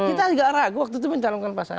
kita tidak ragu waktu itu mencalonkan pak sandi